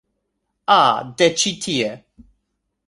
Ah de ĉi tie